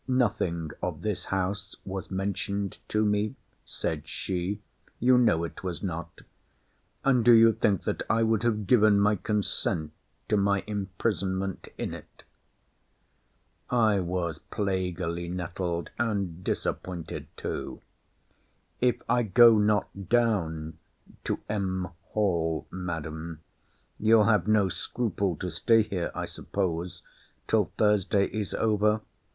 Nothing of this house was mentioned to me, said she: you know it was not. And do you think that I would have given my consent to my imprisonment in it? I was plaguily nettled, and disappointed too. If I go not down to Mr. Hall, Madam, you'll have no scruple to stay here, I suppose, till Thursday is over?